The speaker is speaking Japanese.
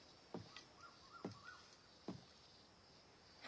え？